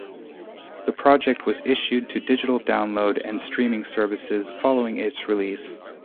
The project was issued to digital download and streaming services following its release.